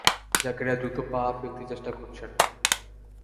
জাকারিয়া দ্রুত পা ফেলতে চেষ্টা করছেন।